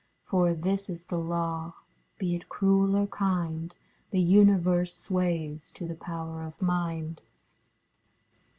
For this is the law: Be it cruel or kind, The Universe sways to the power of mind.